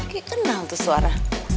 gak kenal tuh suara